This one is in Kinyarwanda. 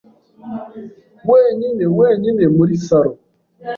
wenyine wenyine muri salo.